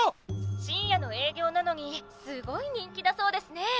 「深夜の営業なのにすごい人気だそうですね」。